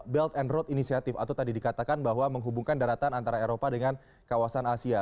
belt and road initiative atau tadi dikatakan bahwa menghubungkan daratan antara eropa dengan kawasan asia